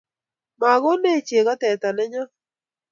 Magonech chego teta nenyo